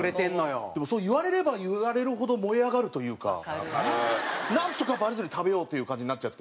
でもそう言われれば言われるほど燃え上がるというかなんとかバレずに食べようっていう感じになっちゃって。